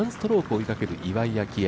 追いかける岩井明愛